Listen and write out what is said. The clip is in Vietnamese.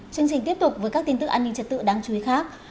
chương trình tiếp tục với các tin tức an ninh trật tự đáng chú ý khác